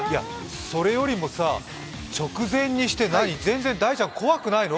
それよりもさ、直前にして全然、大ちゃん怖くないの？